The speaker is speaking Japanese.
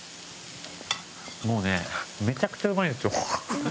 もうねめちゃくちゃうまいんですよ。